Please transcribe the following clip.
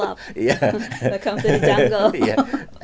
selamat datang ke jungle